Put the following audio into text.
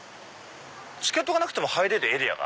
チケットがなくても入れるエリア。